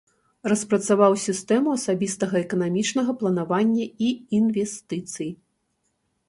Распрацаваў сістэму асабістага эканамічнага планавання і інвестыцый.